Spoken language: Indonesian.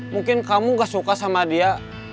mungkin kamu gak suka sama dia